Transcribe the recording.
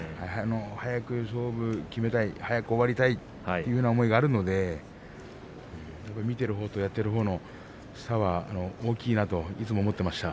早く勝負を決めたい早く終わりたいという思いがあるので見ているほうとやっているほうの差は大きいなといつも思っていました。